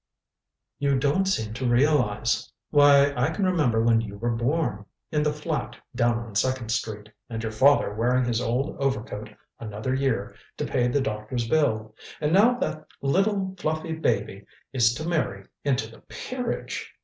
You don't seem to realize. Why, I can remember when you were born in the flat down on Second Street and your father wearing his old overcoat another year to pay the doctor's bill. And now that little fluffy baby is to marry into the peerage!